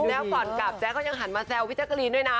แล้วก่อนกลับแจ๊ก็ยังหันมาแซวพี่แจ๊กรีนด้วยนะ